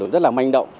rất là manh động